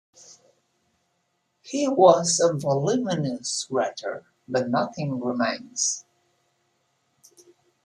He was a voluminous writer, but nothing remains.